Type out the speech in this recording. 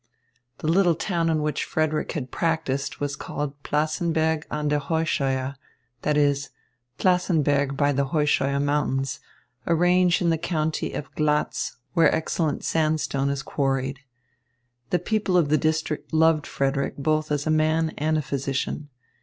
The little town in which Frederick had practised was called Plassenberg an der Heuscheuer, that is, Plassenberg by the Heuscheuer Mountains, a range in the county of Glatz where excellent sandstone is quarried. The people of the district loved Frederick both as a man and a physician.